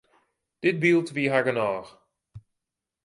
Dit byld wie har genôch.